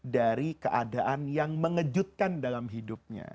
dari keadaan yang mengejutkan dalam hidupnya